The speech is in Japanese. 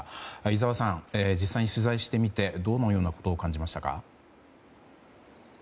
井澤さん、実際に取材してみてどのようなことを感じましたか。